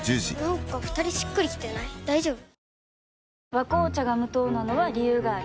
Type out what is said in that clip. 「和紅茶」が無糖なのは、理由があるんよ。